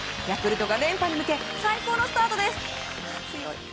ヤクルトが連覇に向け最高のスタートです。